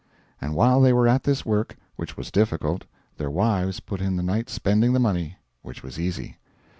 And while they were at this work, which was difficult, their wives put in the night spending the money, which was easy.